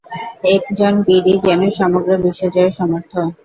একজন বীরই যেন সমগ্র বিশ্বজয়ে সমর্থ।